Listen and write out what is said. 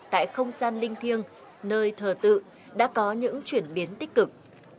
tại không gian linh thiêng nơi thờ tự đã có những chuyển biến tích cực